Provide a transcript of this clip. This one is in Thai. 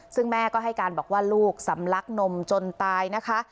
ซึ่งแม่ก็ให้การบอกว่าลูกสำลักนมจนตายนะคะ